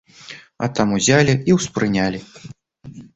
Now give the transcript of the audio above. А там узялі і ўспрынялі.